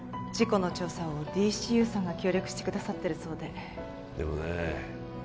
事故の調査をＤＣＵさんが協力してくださってるそうででもねえ